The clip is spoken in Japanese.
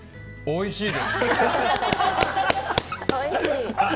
おいしいです。